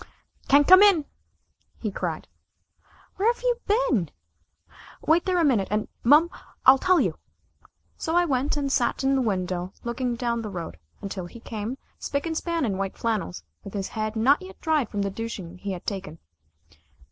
"Can't come in!" he cried. "Where've you been?" "Wait there a minute and mum . I'll tell you." So I went and sat in the window looking down the road, until he came, spick and span in white flannels, with his head not yet dried from the douching he had taken.